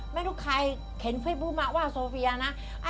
ไม่รู้ใครเขียนอัลละเฟย์บุ๊กมาว่าโซเฟียนะ